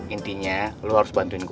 intinya lo harus bantuin gue oke